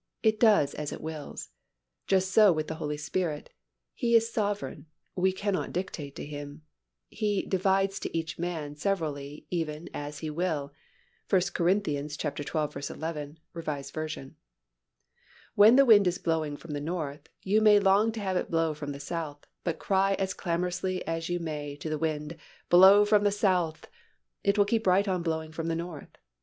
It does as it wills. Just so with the Holy Spirit—He is sovereign—we cannot dictate to Him. He "divides to each man" severally even "as He will" (1 Cor. xii. 11, R. V.). When the wind is blowing from the north you may long to have it blow from the south, but cry as clamorously as you may to the wind, "Blow from the south" it will keep right on blowing from the north.